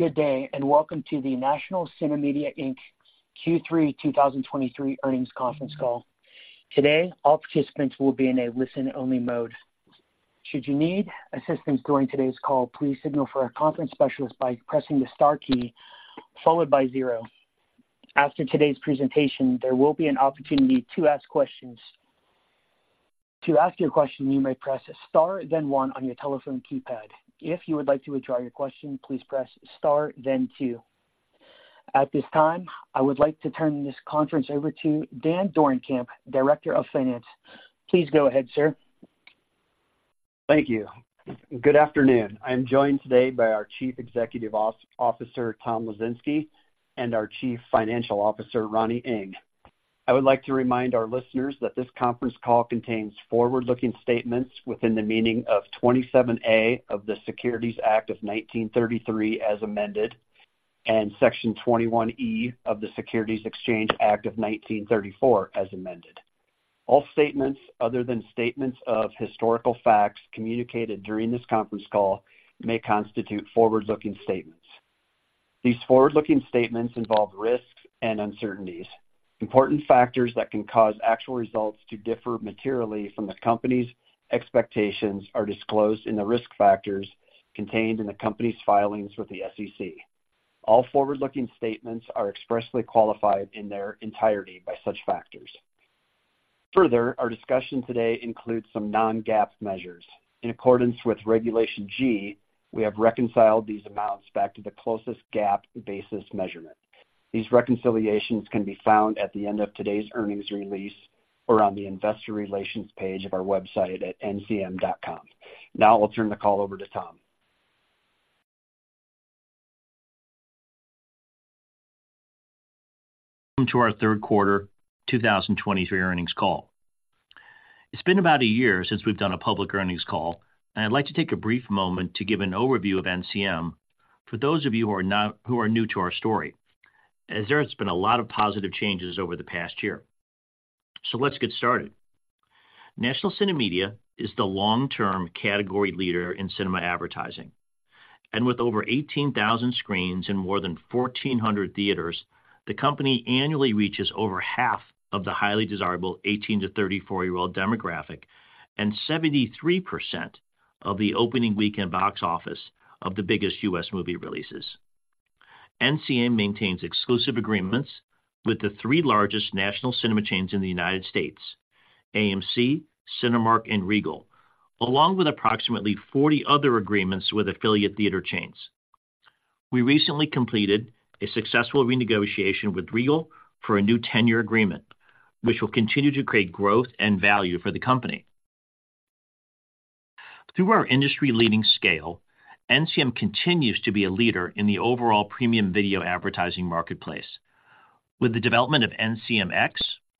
Good day, and welcome to the National CineMedia, Inc. Q3 2023 earnings conference call. Today, all participants will be in a listen-only mode. Should you need assistance during today's call, please signal for a conference specialist by pressing the star key followed by zero. After today's presentation, there will be an opportunity to ask questions. To ask your question, you may press star, then one on your telephone keypad. If you would like to withdraw your question, please press star, then two. At this time, I would like to turn this conference over to Dan Dorenkamp, Director of Finance. Please go ahead, sir. Thank you. Good afternoon. I'm joined today by our Chief Executive Officer, Tom Lesinski, and our Chief Financial Officer, Ronnie Ng. I would like to remind our listeners that this conference call contains forward-looking statements within the meaning of 27A of the Securities Act of 1933, as amended, and Section 21E of the Securities Exchange Act of 1934, as amended. All statements other than statements of historical facts communicated during this conference call may constitute forward-looking statements. These forward-looking statements involve risks and uncertainties. Important factors that can cause actual results to differ materially from the company's expectations are disclosed in the risk factors contained in the company's filings with the SEC. All forward-looking statements are expressly qualified in their entirety by such factors. Further, our discussion today includes some non-GAAP measures. In accordance with Regulation G, we have reconciled these amounts back to the closest GAAP basis measurement. These reconciliations can be found at the end of today's earnings release or on the investor relations page of our website at ncm.com. Now I'll turn the call over to Tom. Welcome to our third quarter 2023 earnings call. It's been about a year since we've done a public earnings call, and I'd like to take a brief moment to give an overview of NCM for those of you who are new to our story, as there has been a lot of positive changes over the past year. So let's get started. National CineMedia is the long-term category leader in cinema advertising, and with over 18,000 screens in more than 1,400 theaters, the company annually reaches over half of the highly desirable 18-year-old to 34-year-old demographic and 73% of the opening weekend box office of the biggest U.S. movie releases. NCM maintains exclusive agreements with the three largest national cinema chains in the United States, AMC, Cinemark, and Regal, along with approximately 40 other agreements with affiliate theater chains. We recently completed a successful renegotiation with Regal for a new 10-year agreement, which will continue to create growth and value for the company. Through our industry-leading scale, NCM continues to be a leader in the overall premium video advertising marketplace. With the development of NCMx,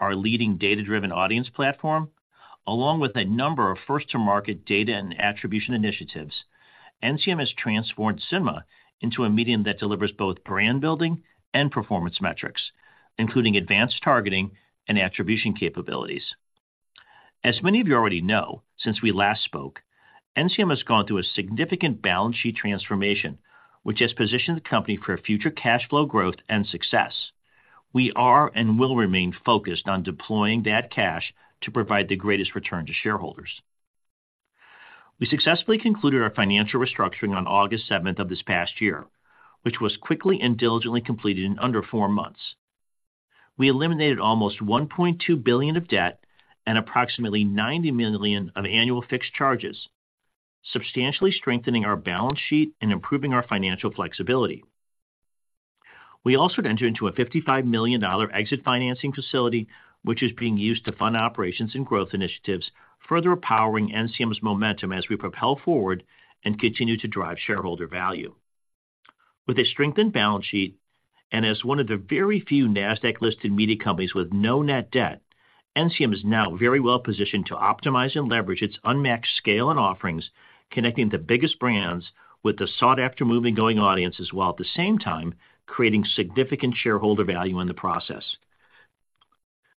our leading data-driven audience platform, along with a number of first-to-market data and attribution initiatives, NCM has transformed cinema into a medium that delivers both brand building and performance metrics, including advanced targeting and attribution capabilities. As many of you already know, since we last spoke, NCM has gone through a significant balance sheet transformation, which has positioned the company for future cash flow growth and success. We are and will remain focused on deploying that cash to provide the greatest return to shareholders. We successfully concluded our financial restructuring on August 7th of this past year, which was quickly and diligently completed in under four months. We eliminated almost $1.2 billion of debt and approximately $90 million of annual fixed charges, substantially strengthening our balance sheet and improving our financial flexibility. We also entered into a $55 million exit financing facility, which is being used to fund operations and growth initiatives, further empowering NCM's momentum as we propel forward and continue to drive shareholder value. With a strengthened balance sheet and as one of the very few Nasdaq-listed media companies with no net debt, NCM is now very well-positioned to optimize and leverage its unmatched scale and offerings, connecting the biggest brands with the sought-after moviegoing audiences, while at the same time creating significant shareholder value in the process.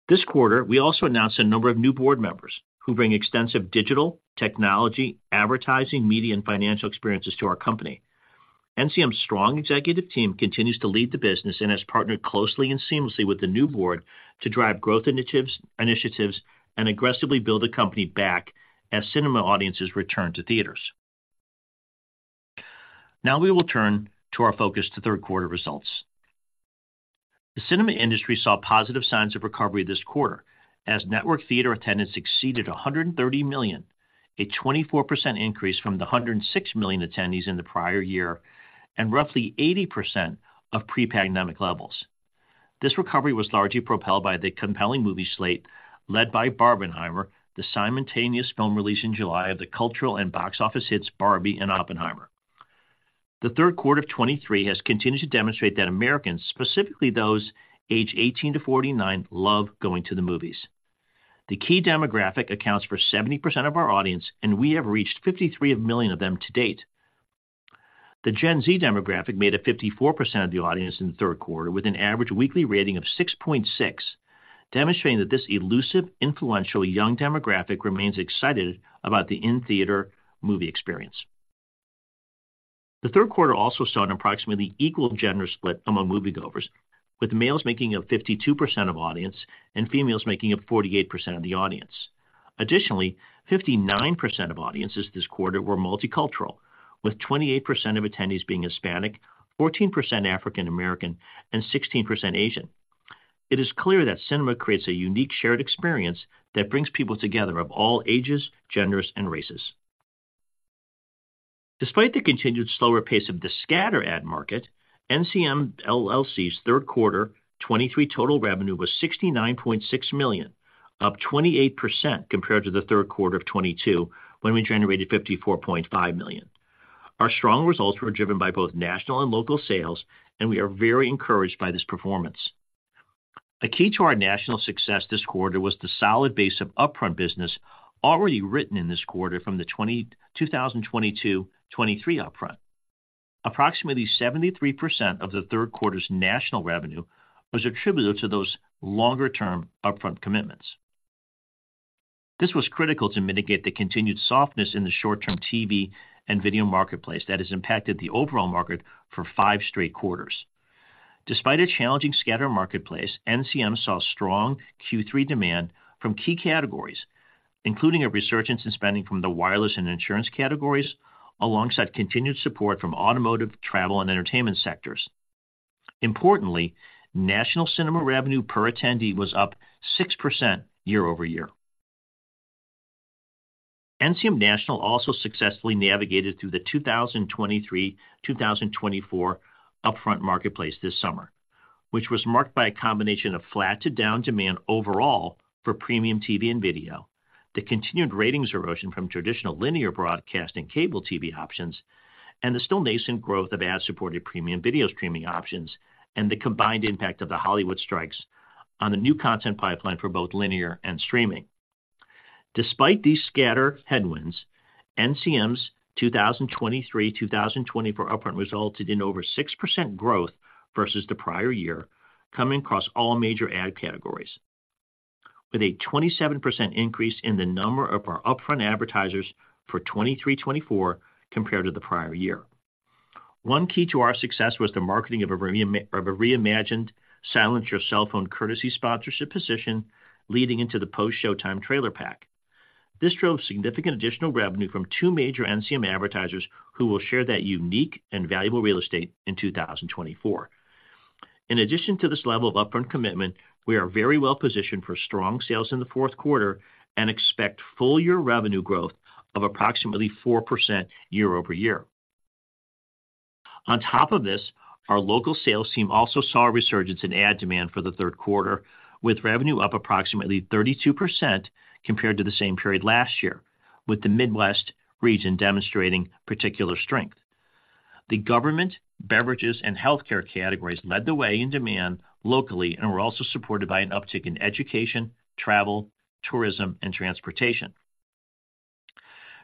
This quarter, we also announced a number of new board members who bring extensive digital, technology, advertising, media, and financial experiences to our company. NCM's strong executive team continues to lead the business and has partnered closely and seamlessly with the new board to drive growth initiatives and aggressively build the company back as cinema audiences return to theaters. Now we will turn to our focus to third quarter results. The cinema industry saw positive signs of recovery this quarter as network theater attendance exceeded 130 million, a 24% increase from the 106 million attendees in the prior year and roughly 80% of pre-pandemic levels. This recovery was largely propelled by the compelling movie slate led by Barbenheimer, the simultaneous film release in July of the cultural and box office hits Barbie and Oppenheimer. The third quarter of 2023 has continued to demonstrate that Americans, specifically those aged 18-49, love going to the movies. The key demographic accounts for 70% of our audience, and we have reached 53 million of them to date. The Gen Z demographic made up 54% of the audience in the third quarter, with an average weekly rating of 6.6, demonstrating that this elusive, influential young demographic remains excited about the in-theater movie experience.... The third quarter also saw an approximately equal gender split among moviegoers, with males making up 52% of audience and females making up 48% of the audience. Additionally, 59% of audiences this quarter were multicultural, with 28% of attendees being Hispanic, 14% African American, and 16% Asian. It is clear that cinema creates a unique shared experience that brings people together of all ages, genders, and races. Despite the continued slower pace of the scatter ad market, NCM LLC's third quarter 2023 total revenue was $69.6 million, up 28% compared to the third quarter of 2022, when we generated $54.5 million. Our strong results were driven by both national and local sales, and we are very encouraged by this performance. A key to our national success this quarter was the solid base of Upfront business already written in this quarter from the 2022/2023 Upfront. Approximately 73% of the third quarter's national revenue was attributable to those longer-term Upfront commitments. This was critical to mitigate the continued softness in the short-term TV and video marketplace that has impacted the overall market for 5 straight quarters. Despite a challenging scatter market, NCM saw strong Q3 demand from key categories, including a resurgence in spending from the wireless and insurance categories, alongside continued support from automotive, travel, and entertainment sectors. Importantly, national cinema revenue per attendee was up 6% year-over-year. NCM National also successfully navigated through the 2023/2024 Upfront marketplace this summer, which was marked by a combination of flat to down demand overall for premium TV and video. The continued ratings erosion from traditional linear broadcast and cable TV options, and the still nascent growth of ad-supported premium video streaming options, and the combined impact of the Hollywood strikes on the new content pipeline for both linear and streaming. Despite these scatter headwinds, NCM's 2023/2024 upfront resulted in over 6% growth versus the prior year, coming across all major ad categories, with a 27% increase in the number of our upfront advertisers for 2023, 2024 compared to the prior year. One key to our success was the marketing of a reimagined Silence Your Cell Phone courtesy sponsorship position leading into the post-showtime trailer pack. This drove significant additional revenue from two major NCM advertisers who will share that unique and valuable real estate in 2024. In addition to this level of upfront commitment, we are very well positioned for strong sales in the fourth quarter and expect full year revenue growth of approximately 4% year-over-year. On top of this, our local sales team also saw a resurgence in ad demand for the third quarter, with revenue up approximately 32% compared to the same period last year, with the Midwest region demonstrating particular strength. The government, beverages, and healthcare categories led the way in demand locally and were also supported by an uptick in education, travel, tourism, and transportation.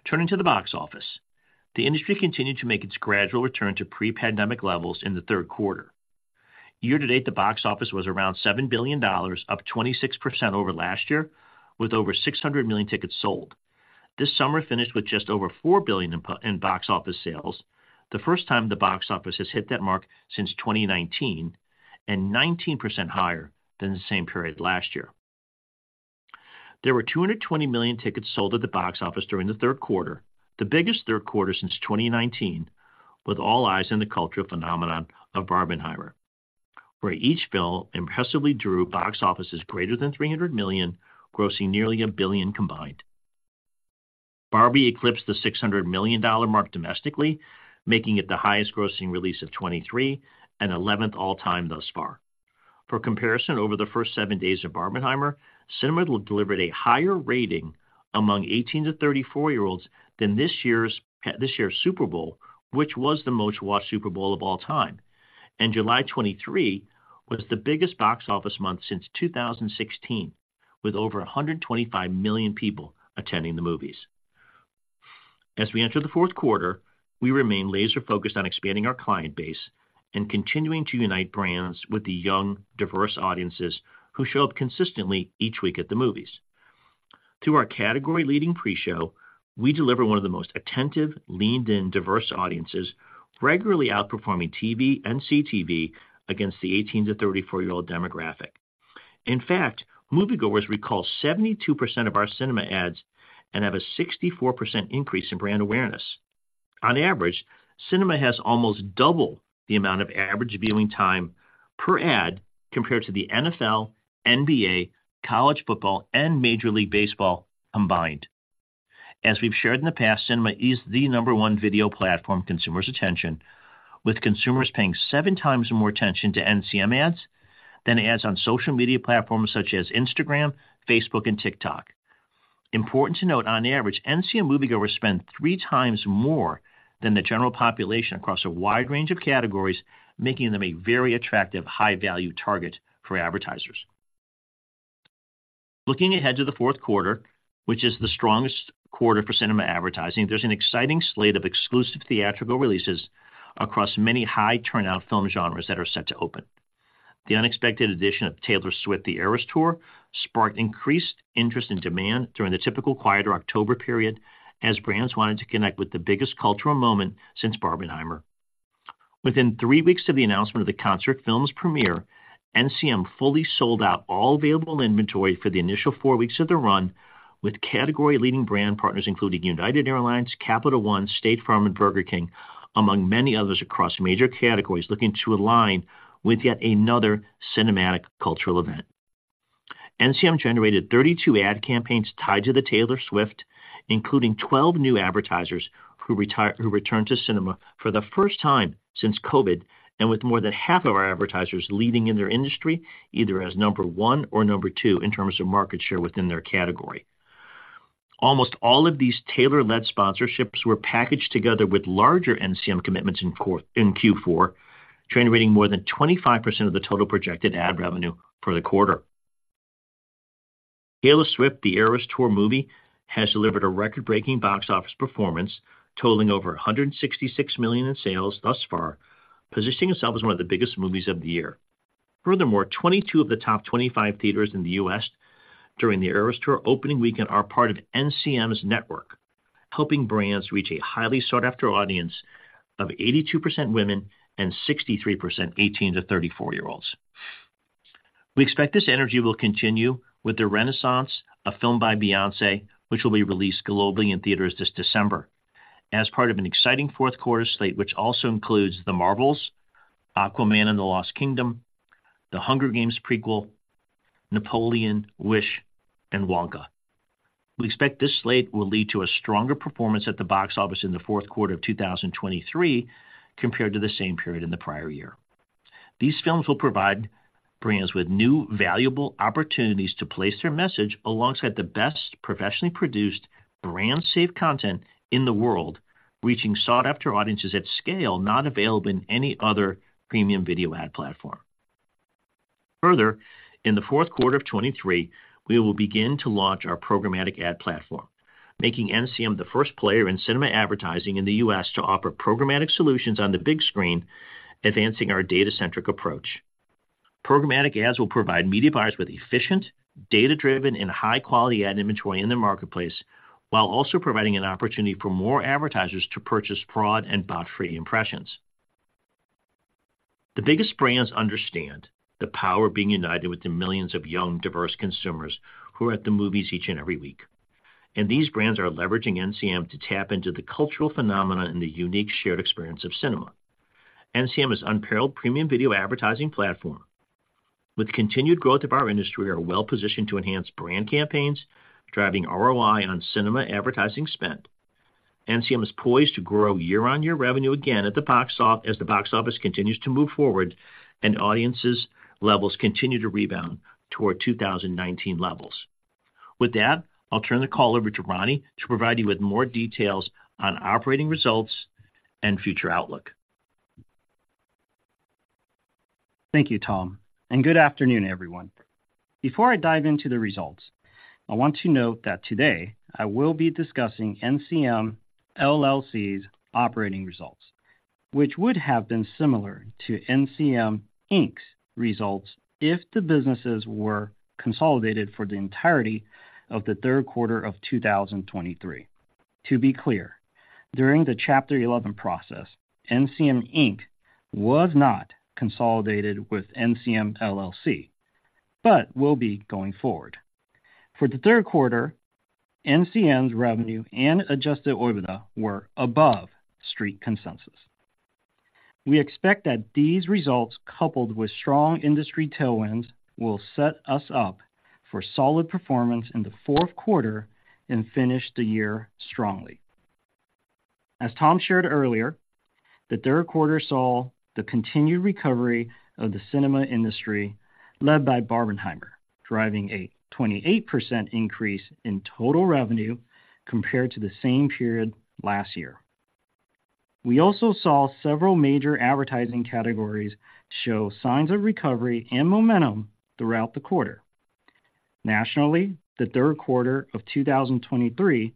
Turning to the box office, the industry continued to make its gradual return to pre-pandemic levels in the third quarter. Year to date, the box office was around $7 billion, up 26% over last year, with over 600 million tickets sold. This summer finished with just over $4 billion in box office sales, the first time the box office has hit that mark since 2019, and 19% higher than the same period last year. There were 220 million tickets sold at the box office during the third quarter, the biggest third quarter since 2019, with all eyes on the cultural phenomenon of Barbenheimer, where each film impressively drew box offices greater than $300 million, grossing nearly $1 billion combined. Barbie eclipsed the $600 million mark domestically, making it the highest-grossing release of 2023 and 11th all-time thus far. For comparison, over the first 7 days of Barbenheimer, cinema delivered a higher rating among 18-year-olds to 34-year-olds than this year's, this year's Super Bowl, which was the most-watched Super Bowl of all time. And July 2023 was the biggest box office month since 2016, with over 125 million people attending the movies. As we enter the fourth quarter, we remain laser-focused on expanding our client base and continuing to unite brands with the young, diverse audiences who show up consistently each week at the movies. Through our category-leading pre-show, we deliver one of the most attentive, leaned-in, diverse audiences, regularly outperforming TV and CTV against the 18-year-old to 34-year-old demographic. In fact, moviegoers recall 72% of our cinema ads and have a 64% increase in brand awareness. On average, cinema has almost double the amount of average viewing time per ad compared to the NFL, NBA, College Football, and Major League Baseball combined. As we've shared in the past, cinema is the number one video platform consumers' attention, with consumers paying seven times more attention to NCM ads than ads on social media platforms such as Instagram, Facebook, and TikTok. Important to note, on average, NCM moviegoers spend three times more than the general population across a wide range of categories, making them a very attractive, high-value target for advertisers. Looking ahead to the fourth quarter, which is the strongest quarter for cinema advertising, there's an exciting slate of exclusive theatrical releases across many high-turnout film genres that are set to open. The unexpected addition of Taylor Swift: The Eras Tour sparked increased interest and demand during the typical quieter October period, as brands wanted to connect with the biggest cultural moment since Barbenheimer. Within three weeks of the announcement of the concert film's premiere, NCM fully sold out all available inventory for the initial four weeks of the run, with category-leading brand partners, including United Airlines, Capital One, State Farm, and Burger King, among many others, across major categories, looking to align with yet another cinematic cultural event. NCM generated 32 ad campaigns tied to the Taylor Swift, including 12 new advertisers who returned to cinema for the first time since COVID, and with more than half of our advertisers leading in their industry, either as number one or number two in terms of market share within their category. Almost all of these Taylor-led sponsorships were packaged together with larger NCM commitments in Q4, generating more than 25% of the total projected ad revenue for the quarter. Taylor Swift: The Eras Tour movie has delivered a record-breaking box office performance, totaling over $166 million in sales thus far, positioning itself as one of the biggest movies of the year. Furthermore, 22 of the top 25 theaters in the U.S. during The Eras Tour opening weekend are part of NCM's network, helping brands reach a highly sought-after audience of 82% women and 63% 18-year-olds to 34-year-olds. We expect this energy will continue with the Renaissance: A Film by Beyoncé, which will be released globally in theaters this December, as part of an exciting fourth quarter slate, which also includes The Marvels, Aquaman and the Lost Kingdom, The Hunger Games prequel, Napoleon, Wish, and Wonka. We expect this slate will lead to a stronger performance at the box office in the fourth quarter of 2023, compared to the same period in the prior year. These films will provide brands with new, valuable opportunities to place their message alongside the best professionally produced, brand-safe content in the world, reaching sought-after audiences at scale, not available in any other premium video ad platform. Further, in the fourth quarter of 2023, we will begin to launch our programmatic ad platform, making NCM the first player in cinema advertising in the U.S. to offer programmatic solutions on the big screen, advancing our data-centric approach. Programmatic ads will provide media buyers with efficient, data-driven, and high-quality ad inventory in the marketplace, while also providing an opportunity for more advertisers to purchase fraud and bot-free impressions. The biggest brands understand the power of being united with the millions of young, diverse consumers who are at the movies each and every week. These brands are leveraging NCM to tap into the cultural phenomena and the unique shared experience of cinema. NCM is unparalleled premium video advertising platform. With continued growth of our industry, we are well-positioned to enhance brand campaigns, driving ROI on cinema advertising spend. NCM is poised to grow year-on-year revenue again at the box office, as the box office continues to move forward and audiences levels continue to rebound toward 2019 levels. With that, I'll turn the call over to Ronnie to provide you with more details on operating results and future outlook. Thank you, Tom, and good afternoon, everyone. Before I dive into the results, I want to note that today I will be discussing NCM LLC's operating results, which would have been similar to NCM Inc's results if the businesses were consolidated for the entirety of the third quarter of 2023. To be clear, during the Chapter 11 process, NCM Inc. was not consolidated with NCM LLC, but will be going forward. For the third quarter, NCM's revenue and Adjusted OIBDA were above Street consensus. We expect that these results, coupled with strong industry tailwinds, will set us up for solid performance in the fourth quarter and finish the year strongly. As Tom shared earlier, the third quarter saw the continued recovery of the cinema industry, led by Barbenheimer, driving a 28% increase in total revenue compared to the same period last year. We also saw several major advertising categories show signs of recovery and momentum throughout the quarter. Nationally, the third quarter of 2023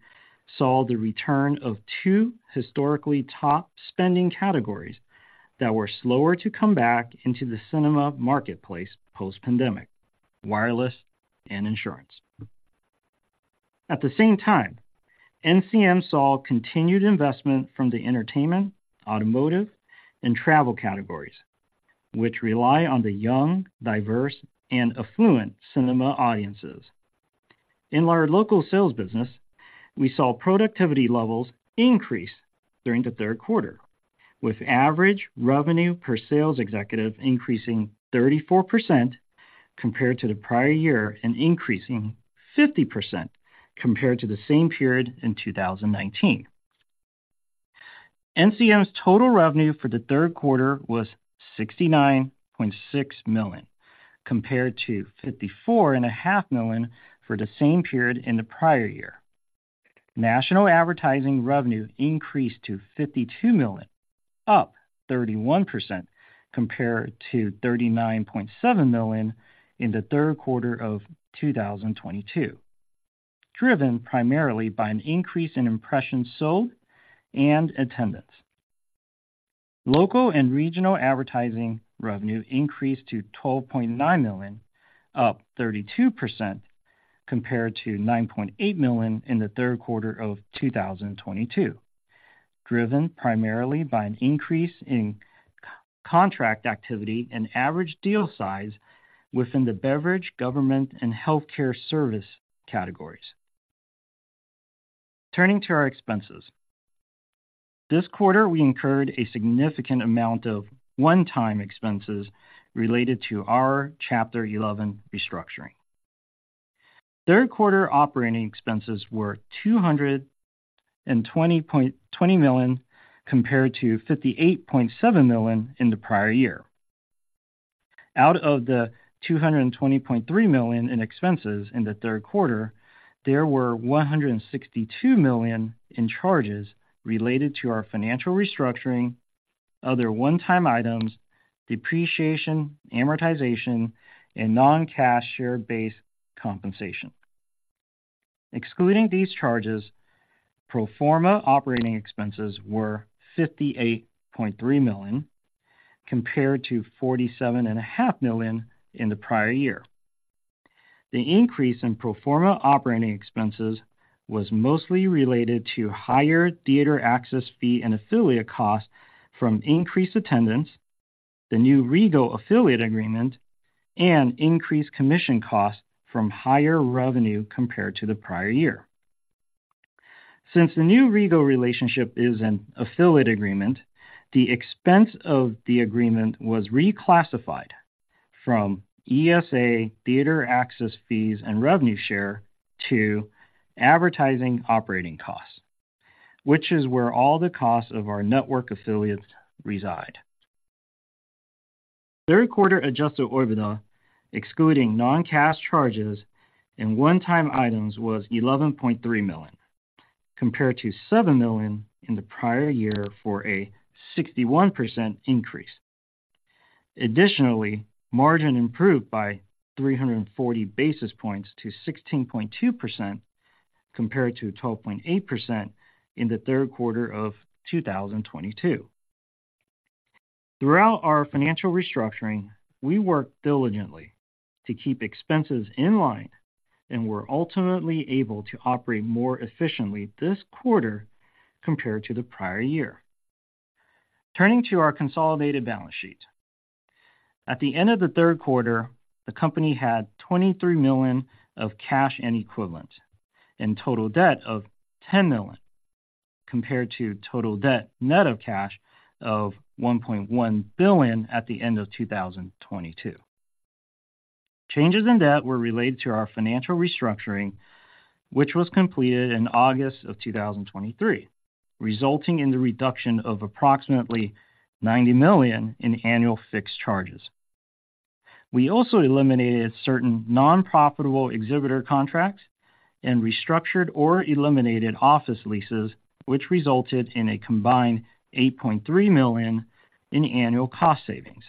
saw the return of two historically top spending categories that were slower to come back into the cinema marketplace post-pandemic: wireless and insurance. At the same time, NCM saw continued investment from the entertainment, automotive, and travel categories, which rely on the young, diverse, and affluent cinema audiences. In our local sales business, we saw productivity levels increase during the third quarter, with average revenue per sales executive increasing 34% compared to the prior year and increasing 50% compared to the same period in 2019. NCM's total revenue for the third quarter was $69.6 million, compared to $54.5 million for the same period in the prior year. National advertising revenue increased to $52 million, up 31%, compared to $39.7 million in the third quarter of 2022, driven primarily by an increase in impressions sold and attendance. Local and regional advertising revenue increased to $12.9 million, up 32%, compared to $9.8 million in the third quarter of 2022, driven primarily by an increase in contract activity and average deal size within the beverage, government, and healthcare service categories. Turning to our expenses. This quarter, we incurred a significant amount of one-time expenses related to our Chapter 11 restructuring. Third quarter operating expenses were $220.20 million, compared to $58.7 million in the prior year. Out of the $220.3 million in expenses in the third quarter, there were $162 million in charges related to our financial restructuring, other one-time items, depreciation, amortization, and non-cash share-based compensation. Excluding these charges, pro forma operating expenses were $58.3 million, compared to $47.5 million in the prior year. The increase in pro forma operating expenses was mostly related to higher theater access fee and affiliate costs from increased attendance, the new Regal affiliate agreement, and increased commission costs from higher revenue compared to the prior year. Since the new Regal relationship is an affiliate agreement, the expense of the agreement was reclassified from ESA theater access fees and revenue share to advertising operating costs, which is where all the costs of our network affiliates reside. Third quarter Adjusted OIBDA, excluding non-cash charges and one-time items, was $11.3 million, compared to $7 million in the prior year for a 61% increase. Additionally, margin improved by 340 basis points to 16.2%, compared to 12.8% in the third quarter of 2022. Throughout our financial restructuring, we worked diligently to keep expenses in line and were ultimately able to operate more efficiently this quarter compared to the prior year. Turning to our consolidated balance sheet. At the end of the third quarter, the company had $23 million of cash and equivalents, and total debt of $10 million, compared to total debt net of cash of $1.1 billion at the end of 2022. Changes in debt were related to our financial restructuring, which was completed in August 2023, resulting in the reduction of approximately $90 million in annual fixed charges. We also eliminated certain non-profitable exhibitor contracts and restructured or eliminated office leases, which resulted in a combined $8.3 million in annual cost savings.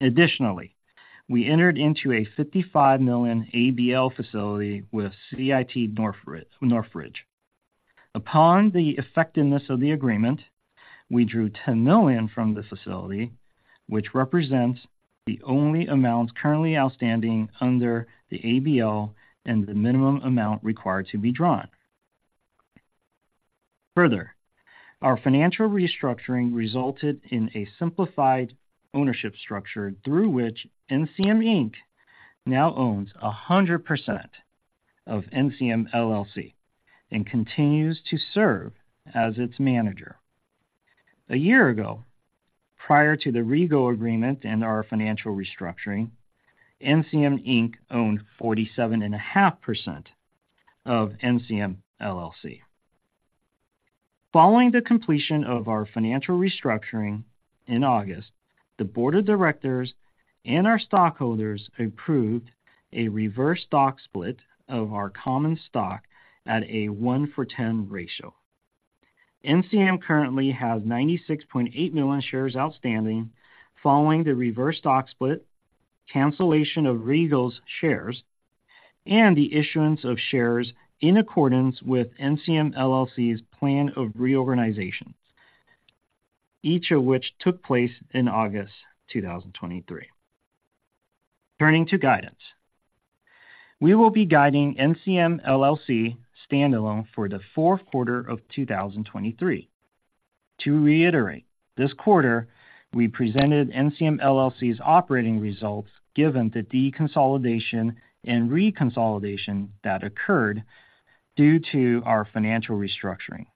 Additionally, we entered into a $55 million ABL facility with CIT Northbridge. Upon the effectiveness of the agreement, we drew $10 million from the facility, which represents the only amount currently outstanding under the ABL and the minimum amount required to be drawn. Further, our financial restructuring resulted in a simplified ownership structure through which NCM Inc now owns 100% of NCM LLC and continues to serve as its manager. A year ago, prior to the Regal agreement and our financial restructuring, NCM, Inc. owned 47.5% of NCM LLC. Following the completion of our financial restructuring in August, the board of directors and our stockholders approved a reverse stock split of our common stock at a 1-for-10 ratio. NCM currently has 96.8 million shares outstanding following the reverse stock split, cancellation of Regal's shares, and the issuance of shares in accordance with NCM LLC's plan of reorganization, each of which took place in August 2023. Turning to guidance. We will be guiding NCM LLC standalone for the fourth quarter of 2023. To reiterate, this quarter, we presented NCM LLC's operating results given the deconsolidation and reconsolidation that occurred due to our financial restructuring.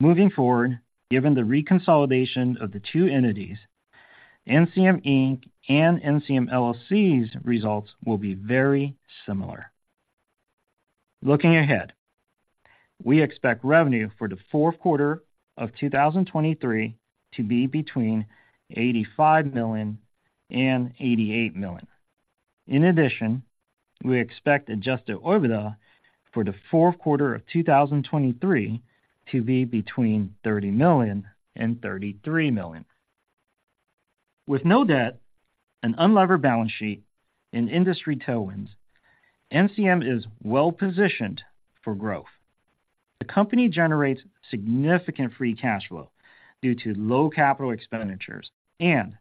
Moving forward, given the reconsolidation of the two entities, NCM, Inc. and NCM LLC's results will be very similar. Looking ahead, we expect revenue for the fourth quarter of 2023 to be between $85 million and $88 million. In addition, we expect Adjusted OIBDA for the fourth quarter of 2023 to be between $30 million and $33 million. With no debt, an unlevered balance sheet, and industry tailwinds, NCM is well positioned for growth. The company generates significant free cash flow due to low capital expenditures and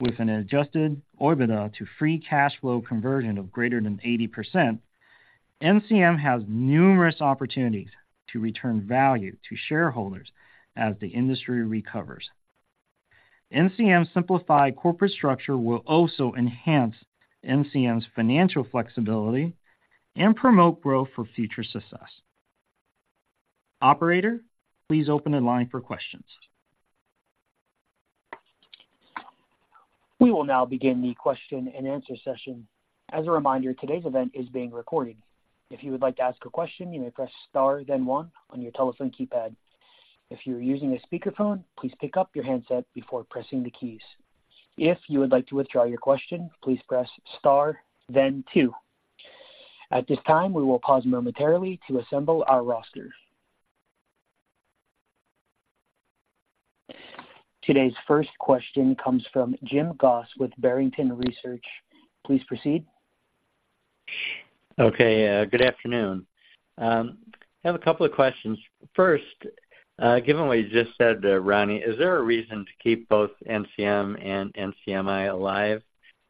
with an Adjusted EBITDA to free cash flow conversion of greater than 80%, NCM has numerous opportunities to return value to shareholders as the industry recovers. NCM's simplified corporate structure will also enhance NCM's financial flexibility and promote growth for future success. Operator, please open the line for questions. We will now begin the question and answer session. As a reminder, today's event is being recorded. If you would like to ask a question, you may press star then one on your telephone keypad. If you're using a speakerphone, please pick up your handset before pressing the keys. If you would like to withdraw your question, please press star then two. At this time, we will pause momentarily to assemble our roster. Today's first question comes from Jim Goss with Barrington Research. Please proceed. Okay. Good afternoon. I have a couple of questions. First, given what you just said, Ronnie, is there a reason to keep both NCM and NCMI alive?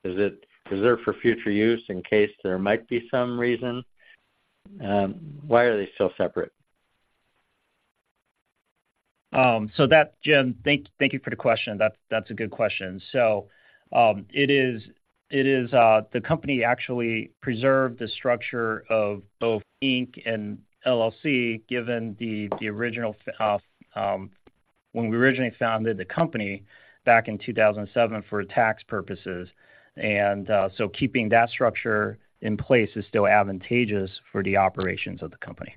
Is it reserved for future use in case there might be some reason? Why are they still separate? So, Jim, thank you for the question. That's a good question. So, it is the company actually preserved the structure of both Inc. and LLC, given the original when we originally founded the company back in 2007 for tax purposes. So keeping that structure in place is still advantageous for the operations of the company.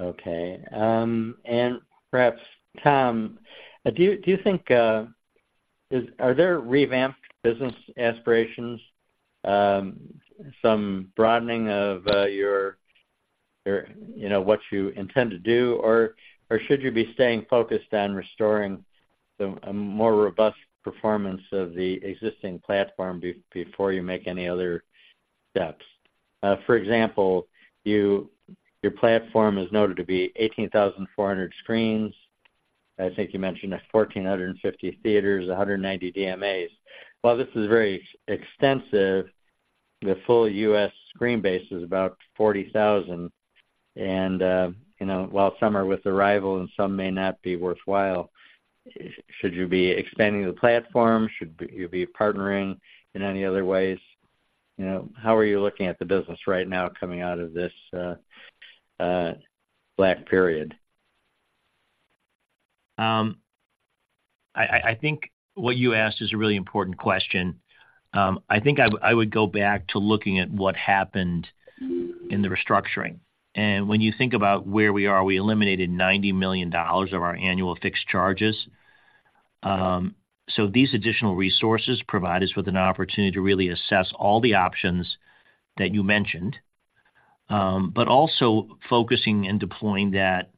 Okay. And perhaps, Tom, do you think, is -- are there revamped business aspirations, some broadening of, your, your, you know, what you intend to do? Or, should you be staying focused on restoring the, a more robust performance of the existing platform before you make any other steps? For example, your platform is noted to be 18,400 screens. I think you mentioned 1,450 theaters, 190 DMAs. While this is very extensive, the full U.S. screen base is about 40,000, and, you know, while some are with arrival and some may not be worthwhile, should you be expanding the platform? Should you be partnering in any other ways? You know, how are you looking at the business right now coming out of this, lack period? I think what you asked is a really important question. I think I would go back to looking at what happened in the restructuring. And when you think about where we are, we eliminated $90 million of our annual fixed charges. So these additional resources provide us with an opportunity to really assess all the options that you mentioned, but also focusing and deploying that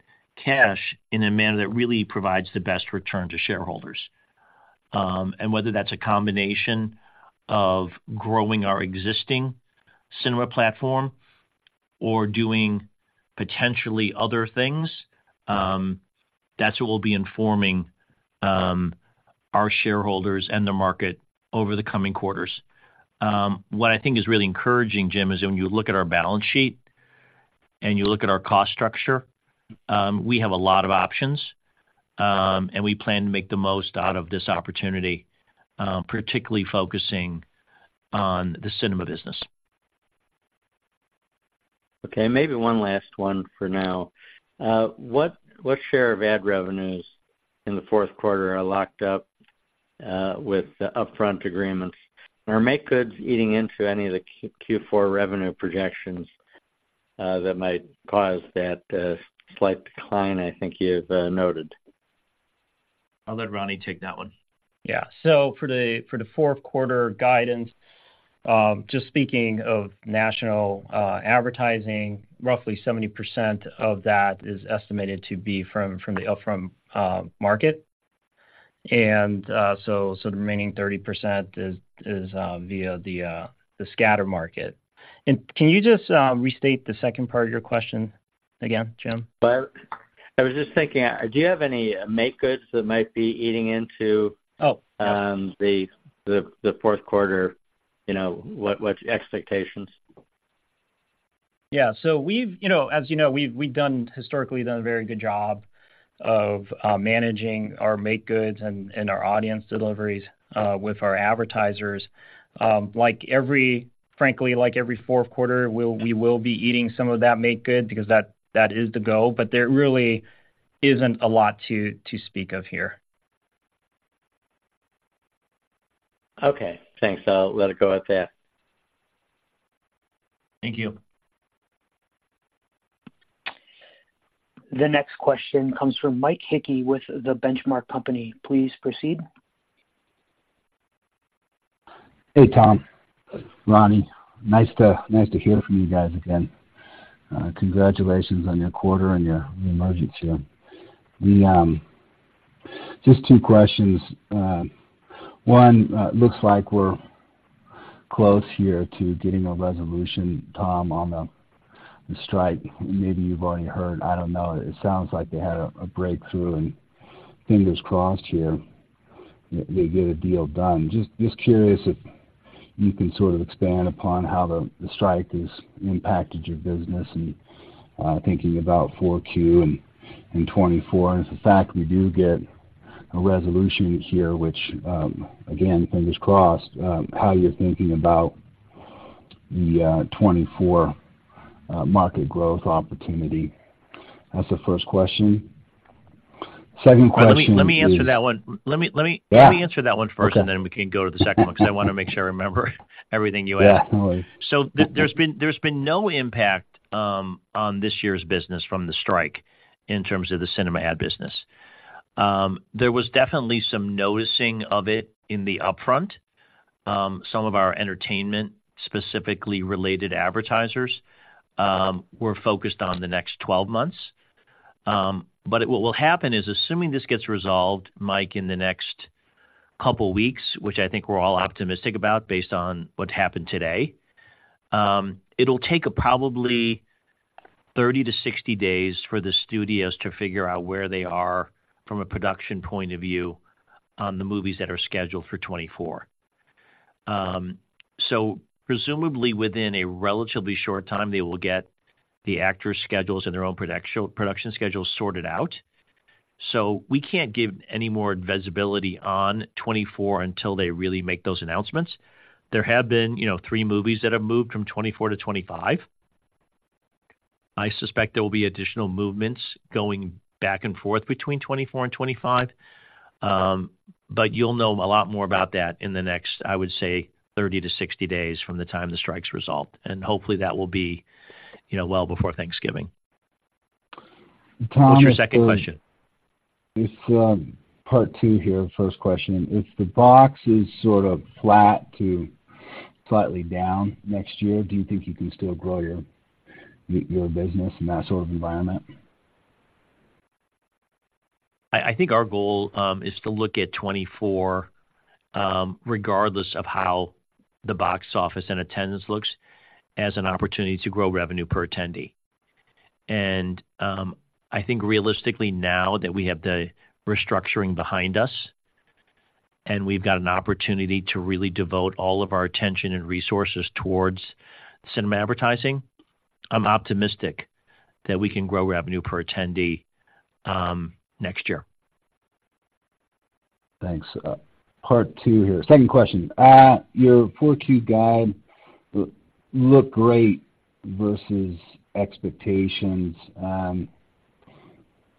cash in a manner that really provides the best return to shareholders. And whether that's a combination of growing our existing cinema platform or doing potentially other things, that's what we'll be informing our shareholders and the market over the coming quarters. What I think is really encouraging, Jim, is when you look at our balance sheet and you look at our cost structure, we have a lot of options, and we plan to make the most out of this opportunity, particularly focusing on the cinema business. Okay, maybe one last one for now. What share of ad revenues in the fourth quarter are locked up with the Upfront agreements? Are makegoods eating into any of the Q4 revenue projections that might cause that slight decline I think you've noted? I'll let Ronnie take that one. Yeah. So for the fourth quarter guidance, just speaking of national advertising, roughly 70% of that is estimated to be from the upfront market. And so the remaining 30% is via the scatter market. And can you just restate the second part of your question again, Jim? Well, I was just thinking, do you have any makegoods that might be eating into- Oh. The fourth quarter, you know, what's expectations? Yeah. So we've, you know, as you know, we've done a very good job of managing our makegoods and our audience deliveries with our advertisers. Like, frankly, like every fourth quarter, we'll be eating some of that makegood because that is the goal, but there really isn't a lot to speak of here. Okay, thanks. I'll let it go at that. Thank you. The next question comes from Mike Hickey with The Benchmark Company. Please proceed. Hey, Tom. Ronnie, nice to hear from you guys again. Congratulations on your quarter and your reemergence here. We just two questions. One, looks like we're close here to getting a resolution, Tom, on the strike. Maybe you've already heard, I don't know. It sounds like they had a breakthrough and fingers crossed here that they get a deal done. Just curious if you can sort of expand upon how the strike has impacted your business and thinking about Q4 and 2024. If, in fact, we do get a resolution here, which, again, fingers crossed, how you're thinking about the 2024 market growth opportunity. That's the first question. Second question- Let me answer that one. Let me- Yeah. Let me answer that one first- Okay. And then we can go to the second one, because I wanna make sure I remember everything you asked. Yeah, totally. So, there's been no impact on this year's business from the strike in terms of the cinema ad business. There was definitely some noticing of it in the Upfront. Some of our entertainment, specifically related advertisers were focused on the next 12 months. But what will happen is, assuming this gets resolved, Mike, in the next couple weeks, which I think we're all optimistic about based on what happened today, it'll take probably 30 days-60 days for the studios to figure out where they are from a production point of view on the movies that are scheduled for 2024. So presumably within a relatively short time, they will get the actors' schedules and their own production schedules sorted out. So we can't give any more visibility on 2024 until they really make those announcements. There have been, you know, three movies that have moved from 2024 to 2025. I suspect there will be additional movements going back and forth between 2024 and 2025. But you'll know a lot more about that in the next, I would say, 30-60 days from the time the strikes result, and hopefully, that will be, you know, well before Thanksgiving. Tom- What's your second question? It's part two here. First question, if the box is sort of flat to slightly down next year, do you think you can still grow your, your business in that sort of environment? I think our goal is to look at 2024, regardless of how the box office and attendance looks as an opportunity to grow revenue per attendee. I think realistically, now that we have the restructuring behind us, and we've got an opportunity to really devote all of our attention and resources towards cinema advertising, I'm optimistic that we can grow revenue per attendee next year. Thanks. Part two here. Second question. Your Q4 guide looks great versus expectations,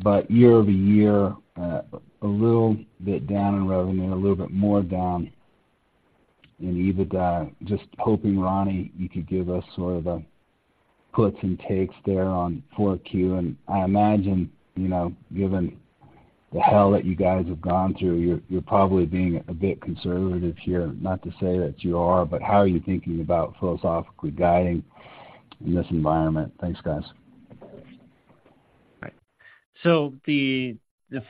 but year-over-year, a little bit down in revenue, a little bit more down in EBITDA. Just hoping, Ronnie, you could give us sort of a puts and takes there on Q4. I imagine, you know, given the hell that you guys have gone through, you're probably being a bit conservative here. Not to say that you are, but how are you thinking about philosophically guiding in this environment? Thanks, guys. Right. So the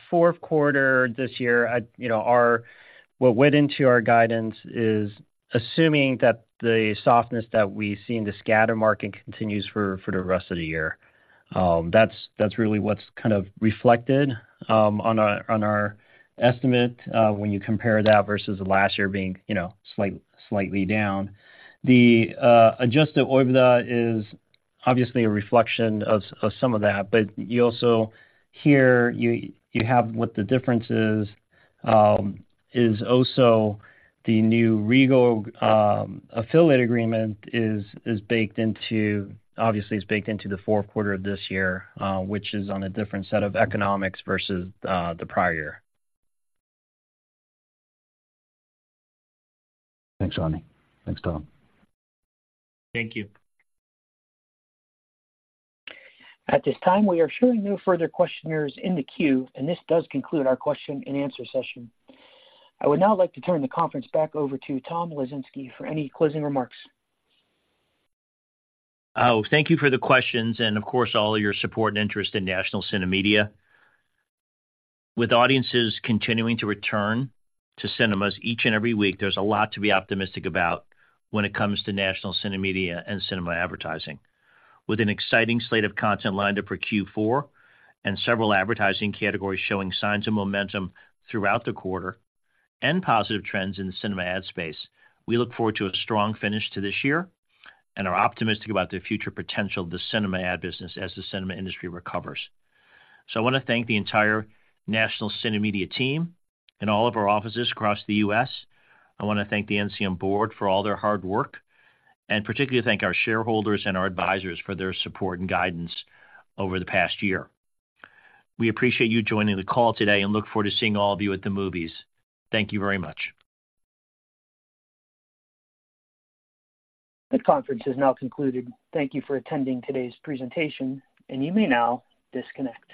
fourth quarter this year, you know, what went into our guidance is assuming that the softness that we see in the Scatter Market continues for the rest of the year. That's really what's kind of reflected on our estimate when you compare that versus last year being, you know, slightly down. The Adjusted OIBDA is obviously a reflection of some of that, but you also hear what the difference is, is also the new Regal affiliate agreement is baked into—obviously baked into the fourth quarter of this year, which is on a different set of economics versus the prior year. Thanks, Ronnie. Thanks, Tom. Thank you. At this time, we are showing no further questioners in the queue, and this does conclude our question-and-answer session. I would now like to turn the conference back over to Tom Lesinski for any closing remarks. Oh, thank you for the questions and, of course, all your support and interest in National CineMedia. With audiences continuing to return to cinemas each and every week, there's a lot to be optimistic about when it comes to National CineMedia and cinema advertising. With an exciting slate of content lined up for Q4 and several advertising categories showing signs of momentum throughout the quarter and positive trends in the cinema ad space, we look forward to a strong finish to this year and are optimistic about the future potential of the cinema ad business as the cinema industry recovers. So I wanna thank the entire National CineMedia team and all of our offices across the U.S. I wanna thank the NCM board for all their hard work, and particularly thank our shareholders and our advisors for their support and guidance over the past year. We appreciate you joining the call today and look forward to seeing all of you at the movies. Thank you very much. This conference is now concluded. Thank you for attending today's presentation, and you may now disconnect.